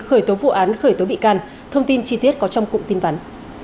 khởi tố vụ án khởi tố bị can thông tin chi tiết có trong cụm tin vắn